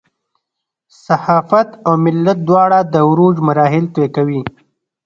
صحافت او ملت دواړه د عروج مراحل طی کوي.